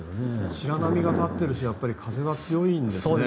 白波が立ってるし風がやっぱり強いんですね。